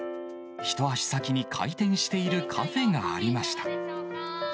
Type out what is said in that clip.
一足先に開店しているカフェがありました。